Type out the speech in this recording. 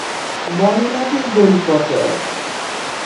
বর্ণনাটি গরীব পর্যায়ের।